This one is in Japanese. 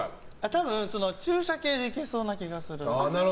多分、注射系でいけそうな気がする。